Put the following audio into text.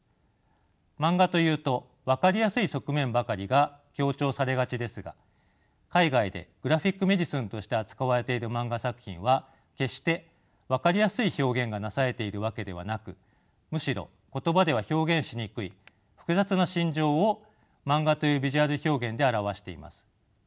マンガというと分かりやすい側面ばかりが強調されがちですが海外でグラフィック・メディスンとして扱われているマンガ作品は決して分かりやすい表現がなされているわけではなくむしろ言葉では表現しにくい複雑な心情をマンガというビジュアル表現で表しています。